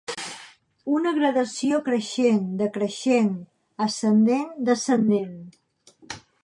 Una gradació creixent, decreixent, ascendent, descendent.